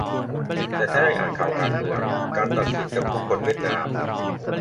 แต่ถ้าได้อ่านข่าวการเมือง การตัดสินจำคุกคนเวียดนาม